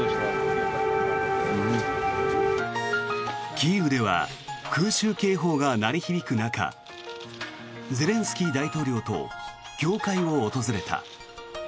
キーウでは空襲警報が鳴り響く中ゼレンスキー大統領と教会を訪れた。